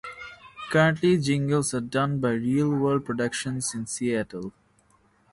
Current jingles are done by Reelworld Productions in Seattle.